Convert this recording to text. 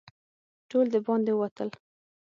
ټول د باندې ووتل.